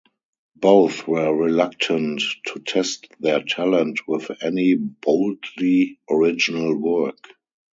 Both were reluctant to test their talent with any boldly original work.